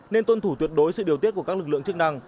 nên tuân thủ tuyệt đối sự điều tiết của các lực lượng chức năng